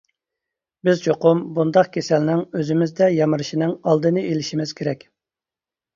بىز چوقۇم بۇنداق كېسەلنىڭ ئۆزىمىزدە يامرىشىنىڭ ئالدىنى ئېلىشىمىز كېرەك.